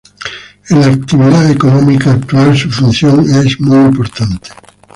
En la actividad económica actual, su función es muy importante.